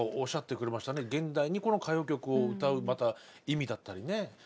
現代にこの歌謡曲を歌うまた意味だったりね